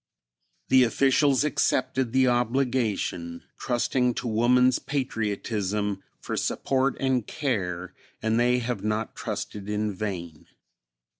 The officials accepted the obligation, trusting to woman's patriotism for support and care, and they have not trusted in vain.